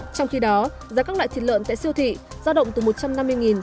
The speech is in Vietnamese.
trong khi đó giá các loại thịt lợn tại siêu thị giao động từ một trăm năm mươi đồng